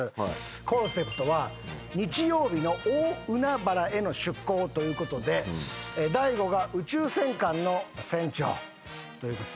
コンセプトは日曜日の大海原への出航ということで大悟が宇宙戦艦の船長ということで。